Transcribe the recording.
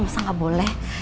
masa gak boleh